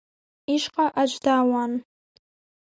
Ишҟа аӡә даауан.